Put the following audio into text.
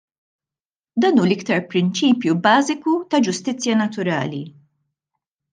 Dan hu l-iktar prinċipju bażiku ta' ġustizzja naturali!